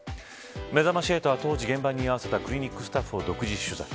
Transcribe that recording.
めざまし８は、当時現場に居合わせたクリニックスタッフを独自取材。